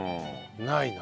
ないな。